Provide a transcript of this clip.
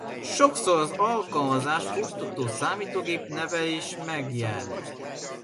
Sokszor az alkalmazást futtató számítógép neve is megjelenik.